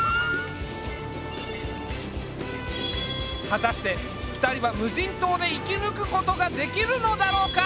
果たして２人は無人島で生き抜くことができるのだろうか？